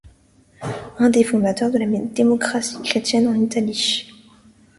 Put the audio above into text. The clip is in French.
Un des fondateurs de la démocratie chrétienne en Italie.